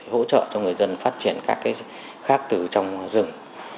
hỗ trợ cho người dân phát triển các khác từ trong rừng